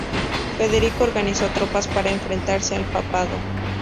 Federico organizó tropas para enfrentarse al papado.